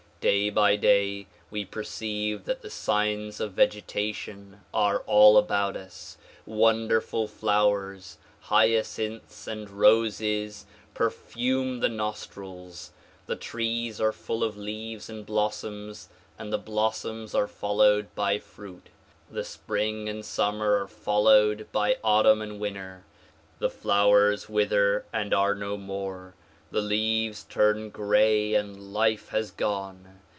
Day by day we perceive that the signs of vegetation are all about us. Wonderful flowers, hyacinths and roses perfume the nostrils. The trees are full of leaves and blossoms, and the blossoms are followed by fruit. The spring and summer are followed by autumn and winter. The flowers wither and are no more ; the leaves turn gray and life has gone.